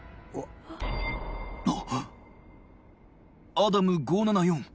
アダム５７４